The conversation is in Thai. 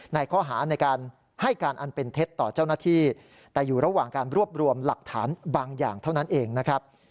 ในข้อหาในการให้การอันเป็นเท็จต่อเจ้าหน้าที่แต่อยู่ระหว่างการรวบรวมหลักฐานบางอย่างเท่านั้นเองนะครับ